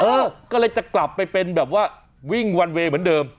เออก็เลยจะกลับไปเป็นแบบว่าวิ่งวันเวย์เหมือนเดิม